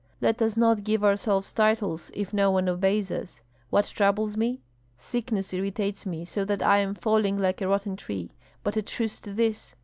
"Let us not give ourselves titles if no one obeys us. What troubles me? Sickness irritates me so that I am falling like a rotten tree. But a truce to this!